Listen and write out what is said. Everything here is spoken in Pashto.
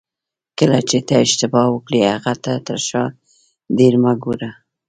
کله چې ته اشتباه وکړې هغې ته تر شا ډېر مه ګوره.